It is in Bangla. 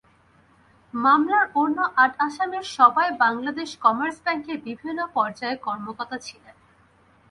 মামলার অন্য আট আসামির সবাই বাংলাদেশ কমার্স ব্যাংকের বিভিন্ন পর্যায়ের কর্মকর্তা ছিলেন।